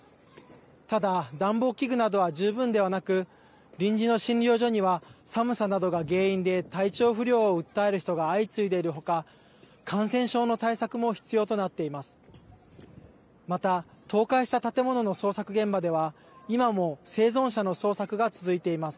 ただ暖房器具などは十分ではなく臨時の診療所には寒さなどが原因で体調不良を訴える人が相次いでいる他感染症の対策も必要となっています。